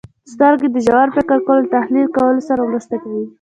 • سترګې د ژور فکر کولو او تحلیل کولو سره مرسته کوي.